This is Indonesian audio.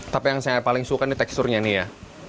tapi yang saya paling suka nih teksturnya nih ya